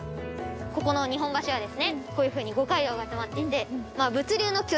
ここの日本橋はですねこういう風に五街道が集まっていて。